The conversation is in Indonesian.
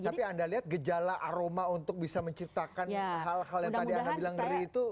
tapi anda lihat gejala aroma untuk bisa menciptakan hal hal yang tadi anda bilang ngeri itu